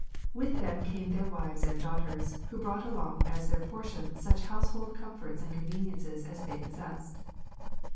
With them came their wives and daughters, who brought along as their portion such household comforts and conveniences as they possessed.